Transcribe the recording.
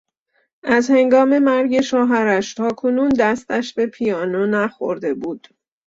از هنگام مرگ شوهرش تا کنون دستش به پیانو نخورده بود.